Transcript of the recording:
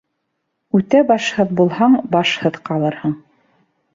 Үтә башһыҙ булһаң, башһыҙ ҡалырһың